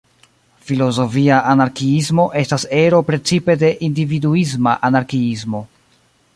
Filozofia anarkiismo "estas ero precipe de individuisma anarkiismo.